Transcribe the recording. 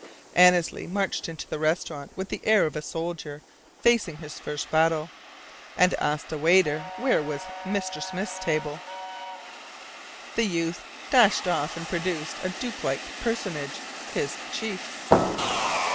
Annesley marched into the restaurant with the air of a soldier facing his first battle, and asked a waiter where was Mr. Smith's table. The youth dashed off and produced a duke like personage, his chief.